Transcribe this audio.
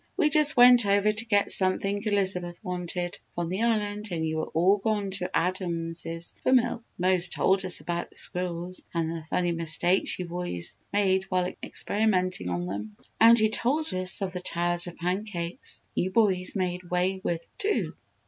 "We just went over to get something Elizabeth wanted from the Island and you were all gone to Adamses for milk. Mose told us about the squirrels and the funny mistakes you boys made while experimenting on them. And he told us of the towers of pancakes you boys made way with, too."